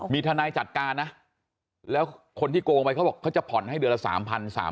มีทนายจัดการนะแล้วคนที่โกงไปเขาบอกเขาจะผ่อนให้เดือนละ๓๓๐๐บาท